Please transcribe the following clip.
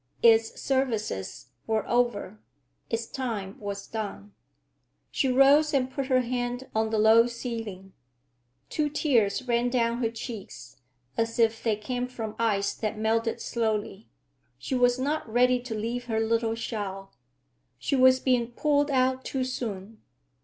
Its services were over; its time was done. She rose and put her hand on the low ceiling. Two tears ran down her cheeks, as if they came from ice that melted slowly. She was not ready to leave her little shell. She was being pulled out too soon.